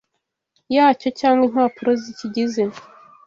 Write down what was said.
yacyo cyangwa impapuro zikigize.